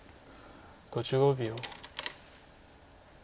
５５秒。